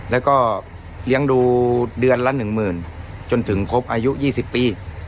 แล้วก็เลี้ยงดูเดือนละหนึ่งหมื่นจนถึงครบอายุยี่สิบปี